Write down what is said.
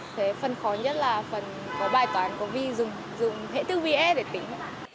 thế phần khó nhất là phần có bài toán có vi dùng dùng hệ thư vi e để tính